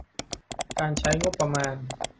การใช้งบประมาณ